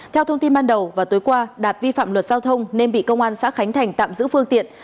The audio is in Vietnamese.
theo thông tin ban đầu vào tối qua đạt vi phạm luật giao thông nên bị công an xã khánh thành tạm giữ phương tiện